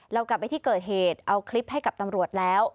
เรากลับไปที่เกิดเหตุเอาคลิปให้กับตำรวจแล้ว